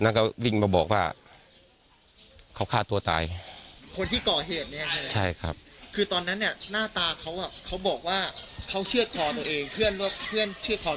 หน้าตาเขาอะเขาบอกว่าเขาเชื่อขอตัวเองเพื่อนเชื่อขอตัวเองใช่ไหม